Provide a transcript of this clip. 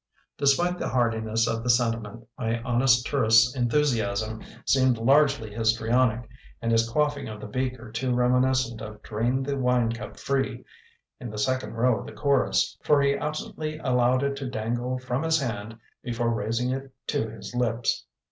Despite the heartiness of the sentiment, my honest tourist's enthusiasm seemed largely histrionic, and his quaffing of the beaker too reminiscent of drain the wine cup free in the second row of the chorus, for he absently allowed it to dangle from his hand before raising it to his lips.